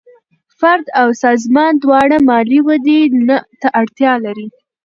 فرد او سازمان دواړه مالي ودې ته اړتیا لري.